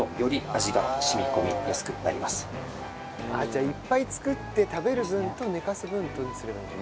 じゃあいっぱい作って食べる分と寝かす分とにすれば。